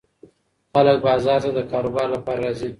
خلک بازار ته د کاروبار لپاره راځي.